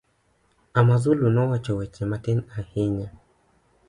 Amazulu nowacho weche matin ahinya.